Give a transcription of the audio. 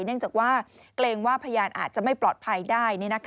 เนื่องจากว่าเกรงว่าพยานอาจจะไม่ปลอดภัยได้